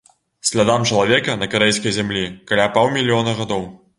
Слядам чалавека на карэйскай зямлі каля паўмільёна гадоў.